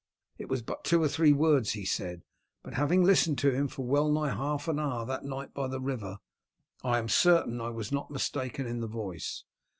It was but two or three words he said, but having listened to him for well nigh half an hour that night by the river, I am certain I was not mistaken in the voice.